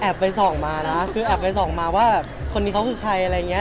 ไปส่องมานะคือแอบไปส่องมาว่าคนนี้เขาคือใครอะไรอย่างเงี้